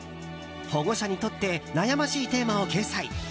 保護者にとって悩ましいテーマを掲載。